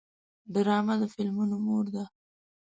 ډرامه د فلمونو مور ده